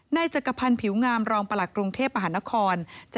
จักรพันธ์ผิวงามรองประหลักกรุงเทพมหานคร